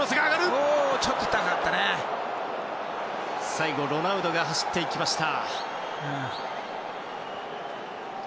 最後ロナウドが走っていきました。